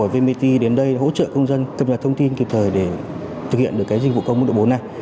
vnpt đến đây hỗ trợ công dân cập nhật thông tin kịp thời để thực hiện được dịch vụ công mức độ bốn này